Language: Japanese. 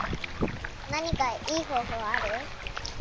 なにかいいほうほうある？